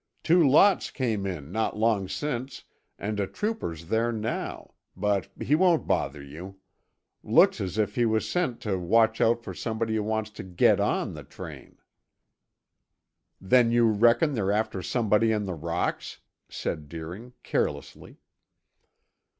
Two lots came in not long since and a trooper's there now, but he won't bother you. Looks as if he was sent to watch out for somebody who wanted to get on the train." "Then, you reckon they're after somebody in the rocks?" said Deering carelessly.